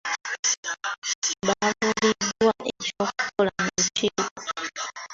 Babuuliddwa eky'okukola mu lukiiko.